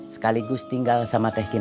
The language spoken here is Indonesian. sekaligus tinggal sama teh kinasi